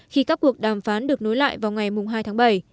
khi các cuộc đàm phán được nối lại vào ngày hai tháng bảy